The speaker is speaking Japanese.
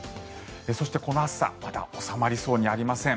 そして、この暑さまた収まりそうにありません。